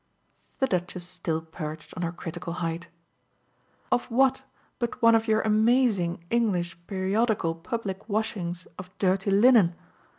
The Duchess still perched on her critical height. "Of what but one of your amazing English periodical public washings of dirty linen?